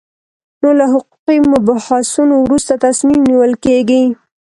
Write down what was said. نو له حقوقي مبحثونو وروسته تصمیم نیول کېږي.